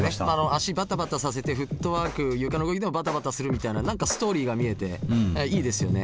足バタバタさせてフットワーク床の上でもバタバタするみたいな何かストーリーが見えていいですよね。